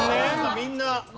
みんな。